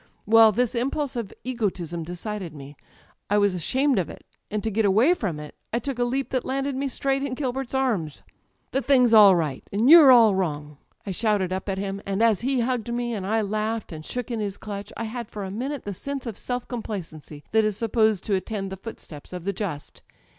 Well, this impulse of egotism decided me. I was ashamed of it, and to get away from it I took a leap that landed me straight in Gilbert's arms. [ 264 ] Digitized by Google THE EYES "*The thing^s all right , and you're all wrong!* I shouted up at him; and as he hugged me, and I laughed and shook in his clutch, I had for a minute the sense of self complacency that is supposed to attend the footsteps of the just.